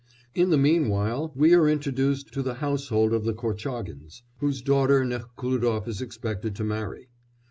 In the meanwhile we are introduced to the household of the Korchágins, whose daughter Nekhlúdof is expected to marry.